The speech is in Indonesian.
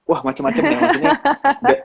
wah macem macem ya maksudnya